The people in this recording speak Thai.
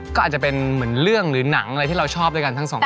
ก็อาจจะเป็นเหมือนเรื่องหรือหนังอะไรที่เราชอบด้วยกันทั้งสองคน